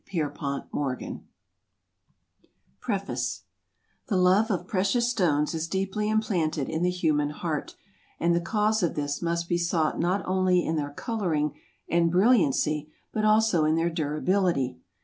PIERPONT MORGAN Preface The love of precious stones is deeply implanted in the human heart, and the cause of this must be sought not only in their coloring and brilliancy but also in their durability.